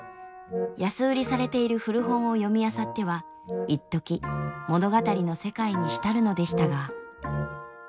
安売りされている古本を読みあさってはいっとき物語の世界に浸るのでしたが。